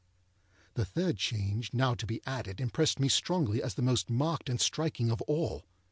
The third change now to be added impressed me strongly as the most marked and striking of all.